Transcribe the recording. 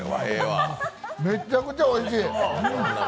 めっちゃくちゃおいしい。